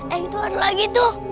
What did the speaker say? eh itu adalah gitu